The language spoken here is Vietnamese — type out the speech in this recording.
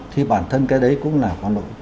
thì bản thân cái đấy cũng là hoàn đủ